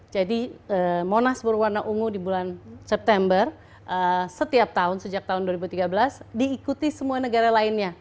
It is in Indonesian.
jadi monas berwarna ungu di bulan september setiap tahun sejak tahun dua ribu tiga belas diikuti semua negara lainnya